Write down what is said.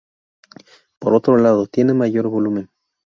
Por otro lado, tiene mayor volumen.